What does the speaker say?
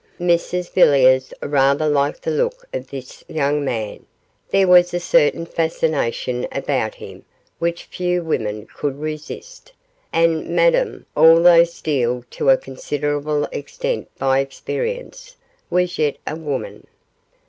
Mrs Villiers rather liked the looks of this young man; there was a certain fascination about him which few women could resist, and Madame, although steeled to a considerable extent by experience, was yet a woman.